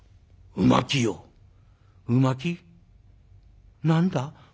「う巻き？何だ？」。